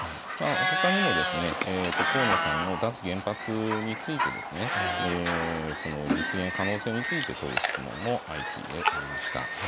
ほかにも、河野さんの脱原発について、その実現可能性について問う質問も相次いでおりました。